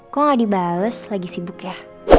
kok gak dibahas lagi sibuk ya